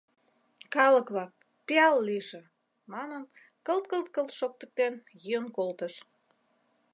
— Калык-влак, пиал лийже, — манын, «кылт-кылт-кылт» шоктыктен, йӱын колтыш.